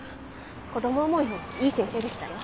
子供思いのいい先生でしたよ。